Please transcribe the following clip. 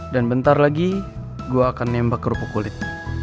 dan bentar lagi gue akan nembak kerupuk kulit